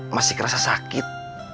masih kerasa sakit